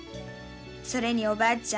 それにおばあちゃん